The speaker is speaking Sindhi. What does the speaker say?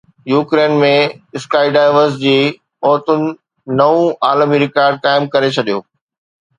يوڪرين ۾ اسڪائي ڊائيورز جي عورتن نئون عالمي رڪارڊ قائم ڪري ڇڏيو